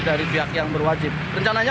dari pihak yang berwajib rencananya